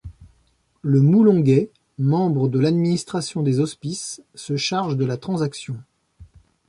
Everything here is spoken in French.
Le Moulonguet, membre de l'administration des Hospices, se charge de la transaction.